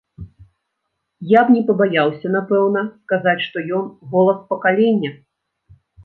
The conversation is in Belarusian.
Я б не пабаяўся, напэўна, сказаць, што ён голас пакалення.